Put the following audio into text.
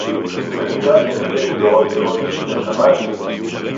זה נקרא שנכה הוא לא רק בעונש מן השמים